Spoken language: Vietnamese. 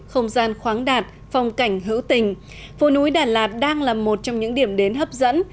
không gian khoáng đạt phong cảnh hữu tình phố núi đà lạt đang là một trong những điểm đến hấp dẫn